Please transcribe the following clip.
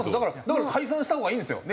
だから解散したほうがいいんですよ。